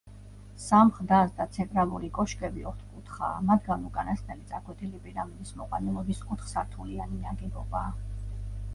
სამხ-დას და ცენტრალური კოშკები ოთხკუთხაა, მათგან უკანასკნელი წაკვეთილი პირამიდის მოყვანილობის ოთხ სართულიანი ნაგებობაა.